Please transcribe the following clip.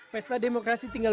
pesta demokrasi tinggal